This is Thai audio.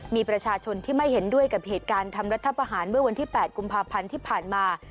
มีประชาชนที่ไม่เห็นด้วยกับเหตุการณ์ทำรัฐประหารเมื่อวันที่๘กุมภาพันธ์ที่ผ่านมา